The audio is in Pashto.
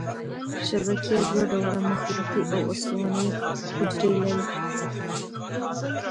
شبکیه دوه ډوله مخروطي او استوانه یي حجرې لري.